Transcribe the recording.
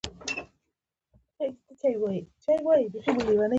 تور ممیز د وینې لپاره ګټور دي.